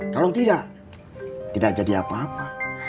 kalau tidak tidak jadi apa apa